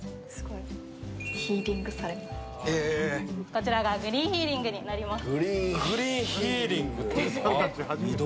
こちらがグリーンヒーリングになります。